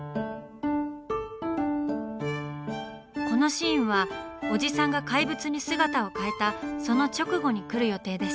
このシーンはおじさんが怪物に姿を変えたその直後に来る予定です。